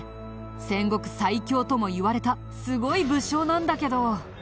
戦国最強ともいわれたすごい武将なんだけど。